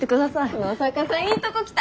野坂さんいいとこ来た！